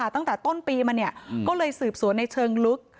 ตั้งแต่ต้นปีมาก็เลยสืบสวนในเชิงลึก